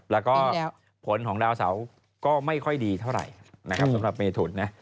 แล้วก็ผลของดาวเสาก็ไม่ค่อยดีเท่าไหร่นะครับสำหรับเมทุนนะ